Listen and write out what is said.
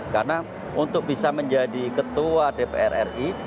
karena untuk bisa menjadi ketua dpr ri